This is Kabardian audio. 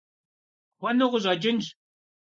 Xhunu khış'eç'ınş.